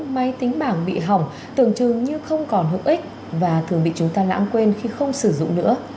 máy tính bảng bị hỏng tưởng chừng như không còn hữu ích và thường bị chúng ta lãng quên khi không sử dụng nữa